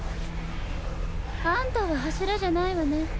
あんたは柱じゃないわね。